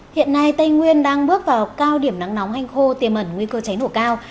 hiện nay tây nguyên đang bước vào cao điểm nắng nóng hành khô tiềm ẩn nguy cơ cháy nổ cao